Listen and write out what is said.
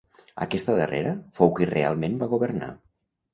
Aquesta darrera fou qui realment va governar.